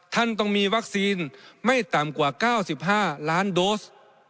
ท่านต้องมีวัคซีนไม่ต่ำกว่า๙๕ล้านโดส